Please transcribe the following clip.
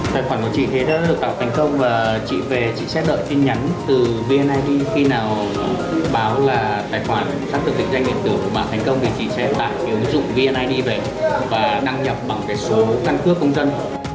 tài khoản của chị đã được tạo thành công và chị sẽ đợi tin nhắn từ vnid khi nào báo là tài khoản sắp được định danh điện tử và thành công thì chị sẽ tạo cái ứng dụng vnid về và đăng nhập bằng cái số căn cước công dân